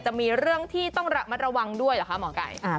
จะมีเรื่องที่ต้องระมัดระวังด้วยเหรอคะหมอไก่